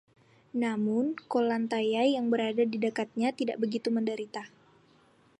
Namun, Ko Lanta Yai yang berada di dekatnya, tidak begitu menderita.